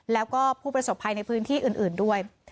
แล้วก็ผู้ประสบภัยในพื้นที่อื่นด้วย